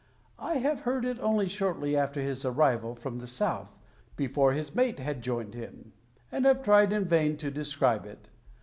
I have heard it only shortly after his arrival from the south, before his mate had joined him, and have tried in vain to describe it.